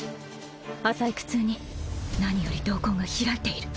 浅い苦痛に何より瞳孔が開いている